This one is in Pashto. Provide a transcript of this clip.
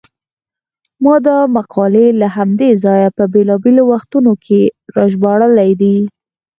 ما دا مقالې له همدې ځایه په بېلابېلو وختونو کې راژباړلې دي.